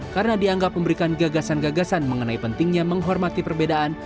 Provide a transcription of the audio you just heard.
karena dianggap memberikan gagasan gagasan mengenai pentingnya menghormati perbedaan